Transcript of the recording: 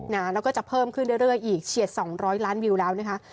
นะแล้วก็จะเพิ่มขึ้นเรื่อยเรื่อยอีกเฉียดสองร้อยล้านวิวแล้วนะคะ